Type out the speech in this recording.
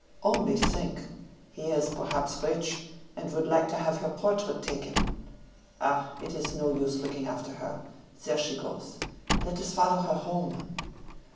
Only think! he is perhaps rich, and would like to have her portrait taken. Ah! it is no use looking after her—there she goes! Let us follow her home!"